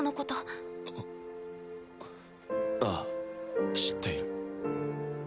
ああ知っている。